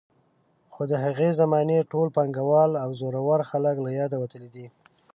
خو د هغې زمانې ټول پانګوال او زورور خلک له یاده وتلي دي.